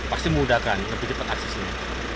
pasti memudahkan lebih cepat aksesnya